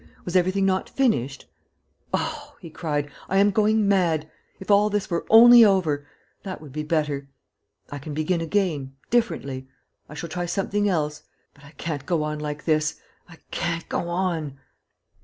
Was everything not finished? ... "Oh," he cried, "I am going mad! If all this were only over ... that would be better. I can begin again, differently. ... I shall try something else ... but I can't go on like this, I can't go on. ..."